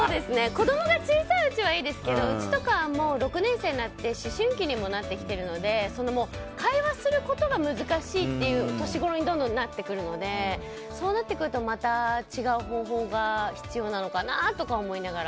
子供が小さいうちはいいですけどうちとかはもう６年生になって思春期にもなってきているので会話することが難しいっていう年ごろにどんどんなってくるのでそうなってくるとまた違う方法が必要なのかなと思いながら。